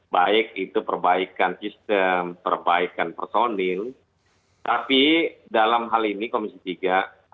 baik itu perbaikan sistem perbaikan personil tapi dalam hal ini komisi tiga